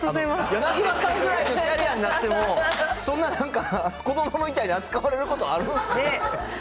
柳葉さんぐらいのキャリアになっても、そんななんか、子どもみたいに扱われることあるんですね。